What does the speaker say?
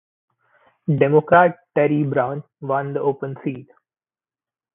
Democrat Terry Brown won the open seat.